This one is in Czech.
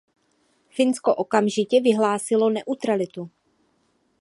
Finsko okamžitě vyhlásilo neutralitu.